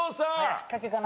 引っかけかな？